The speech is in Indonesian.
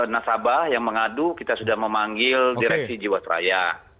nasabah yang mengadu kita sudah memanggil direksi jiwasraya